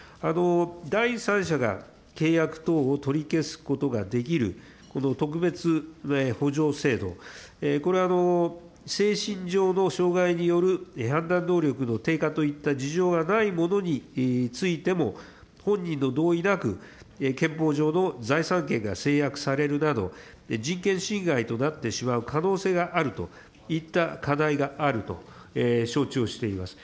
第三者が契約等を取り消すことができる、この特別補助制度、これ、精神上の障害による判断能力の低下といった事情がない者についても、本人の同意なく、憲法上の財産権が制約されるなど、人権侵害となってしまう可能性があるといった課題があると承知をしております。